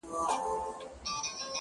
زه يې د نوم تر يوه ټكي صدقه نه سومه!